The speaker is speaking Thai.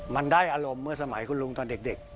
มันได้อารมณ์เมื่อสมัยคุณลุงตอนเด็ก